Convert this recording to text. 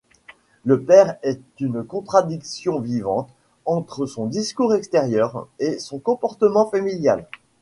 Le père est une contradiction vivante entre son discours extérieur et son comportement familial.